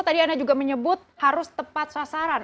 tadi anda juga menyebut harus tepat sasaran